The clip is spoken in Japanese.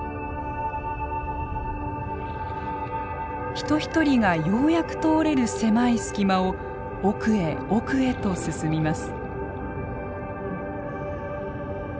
人一人がようやく通れる狭い隙間を奧へ奧へと進みます。